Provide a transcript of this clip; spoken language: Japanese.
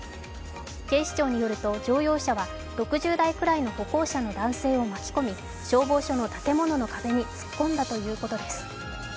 警視庁によると、乗用車は６０代くらいの歩行者の男性を巻き込み消防署の建物の壁に突っ込んだということです。